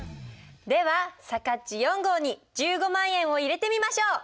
ではさかっち４号に１５万円を入れてみましょう。